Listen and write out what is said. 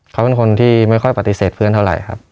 เขาเป็นคนที่ไม่ค่อยปฏิเสธเพื่อนเท่าไหร่ครับ